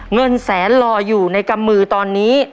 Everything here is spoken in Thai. เงินแสนรออยู่ในกำมือตอนนี้